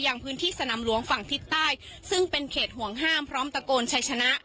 อย่างพื้นที่สนามหลวงฝั่งทิศใต้ซึ่งเป็นเขตห่วงห้ามพร้อมตะโกนชัยชนะ